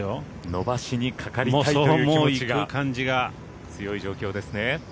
伸ばしにかかりたいという気持ちが強い状況ですね。